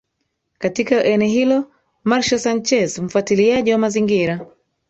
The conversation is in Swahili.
katika eneo hilo Marcial Sanchez mfuatiliaji wa mazingira